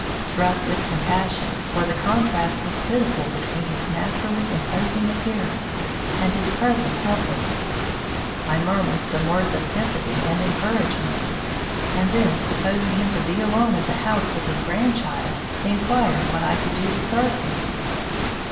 Struck with compassion, for the contrast was pitiful between his naturally imposing appearance and his present helplessness, I murmured some words of sympathy and encouragement, and then supposing him to be alone in the house with his grandchild, inquired what I could do to serve him.